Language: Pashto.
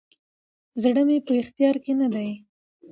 زړه مي په اختیار کي نه دی،